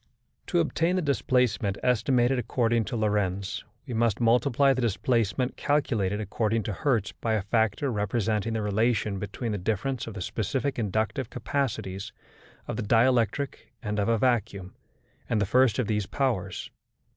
To obtain the displacement estimated according to Lorentz, we must multiply the displacement calculated according to Hertz by a factor representing the relation between the difference of the specific inductive capacities of the dielectric and of a vacuum, and the first of these powers.